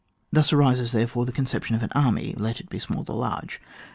Thus arises, therefore, the conception of an army, let it be small or large.